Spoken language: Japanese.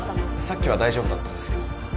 さっきは大丈夫だったんですけど。